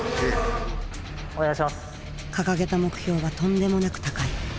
掲げた目標はとんでもなく高い。